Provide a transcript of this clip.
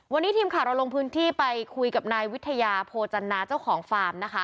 วันนี้ทีมข่าวเราลงพื้นที่ไปคุยกับนายวิทยาโพจันนาเจ้าของฟาร์มนะคะ